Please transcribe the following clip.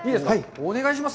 お願いします！